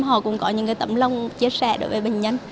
họ cũng có những tấm lòng chia sẻ đối với bệnh nhân